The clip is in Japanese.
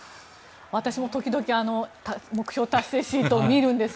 私も時々目標達成シートを見るんですが。